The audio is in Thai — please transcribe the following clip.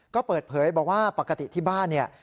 ก็เปิดเผยบอกว่าปกติที่บ้านเนี่ย